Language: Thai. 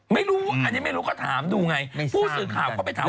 ไม่รู้อันนี้ไม่รู้ก็ถามดูไงผู้สื่อข่าวก็ไปถาม